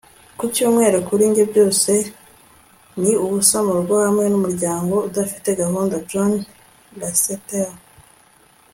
ku cyumweru, kuri njye, byose ni ukuba mu rugo hamwe n'umuryango udafite gahunda. - john lasseter